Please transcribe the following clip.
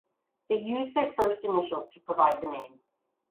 They used their first initials to provide the name.